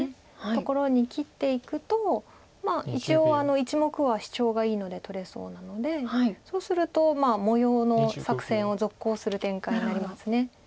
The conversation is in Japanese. ところに切っていくと一応１目はシチョウがいいので取れそうなのでそうすると模様の作戦を続行する展開になります。